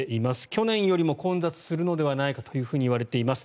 去年よりも混雑するのではないかと言われています。